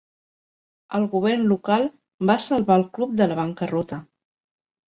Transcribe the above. El govern local va salvar el club de la bancarrota.